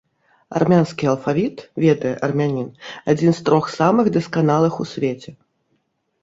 Армянскі алфавіт, ведае армянін, адзін з трох самых дасканалых у свеце.